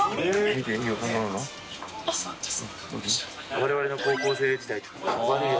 我々の高校生時代というか。